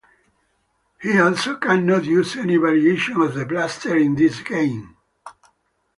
He also cannot use any variation of the blaster in this game.